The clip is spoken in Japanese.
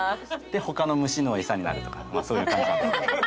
他の虫のエサになるとかそういう感じに。